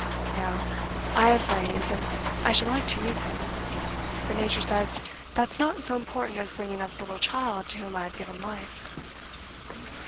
Now, I have brains, and I should like to use them; but Nature says that's not so important as bringing up the little child to whom I have given life.